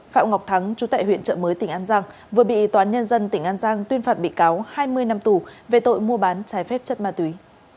phạm ngọc thắng chú tại huyện trợ mới tỉnh an giang vừa bị toán nhân dân tỉnh an giang tuyên phạt bị cáo hai mươi năm tù về tội mua bán trái phép chất ma túy